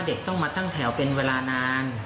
เด็กต้องมาตั้งแถวเป็นเวลานาน